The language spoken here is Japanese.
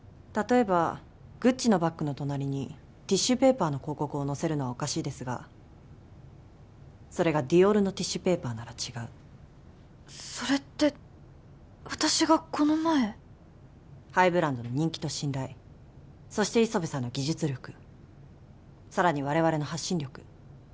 例えばグッチのバッグの隣にティッシュペーパーの広告を載せるのはおかしいですがそれがディオールのティッシュペーパーなら違うそれって私がこの前ハイブランドの人気と信頼そしてＩＳＯＢＥさんの技術力さらに我々の発信力